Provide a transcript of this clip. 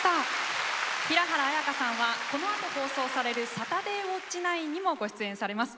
平原綾香さんはこのあと放送される「サタデーウオッチ９」にもご出演されます。